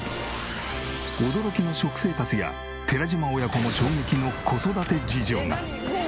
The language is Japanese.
驚きの食生活や寺島親子も衝撃の子育て事情が。